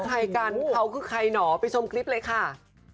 ใครกันเขาคือใครหนอไปชมคลิปเลยค่ะ